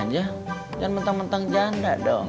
jangan mentang mentang janda dong